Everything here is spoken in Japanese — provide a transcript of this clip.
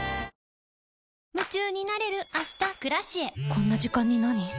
こんな時間になに？